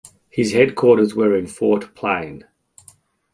His headquarters were at Fort Plain.